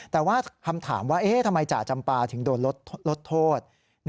แต่ว่าคำถามว่าทำไมจ่าจำปาถึงโดนลดโทษ